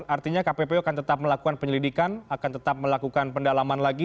artinya kppu akan tetap melakukan penyelidikan akan tetap melakukan pendalaman lagi